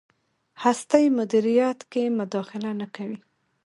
هستۍ مدیریت کې مداخله نه کوي.